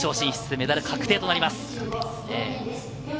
メダル確定となります。